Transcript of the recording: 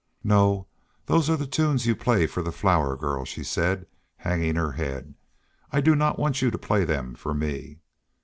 "No, those are the tunes you play for the Flower Girl," she said, hanging her head. "I do not want you to play them for me."